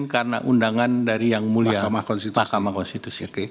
karena undangan dari yang mulia mahkamah konstitusi